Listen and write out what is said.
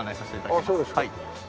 ああそうですか。